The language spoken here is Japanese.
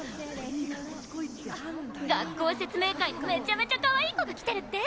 学校説明会にめちゃめちゃかわいい子が来てるって！？